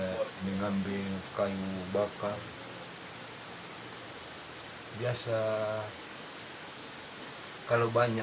bija memiliki kemampuan untuk menjual barang yang terbaik untuk menjualnya